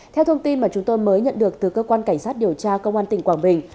theo thông tin mà chúng tôi mới nhận được từ cơ quan cảnh sát điều tra công an tỉnh quảng bình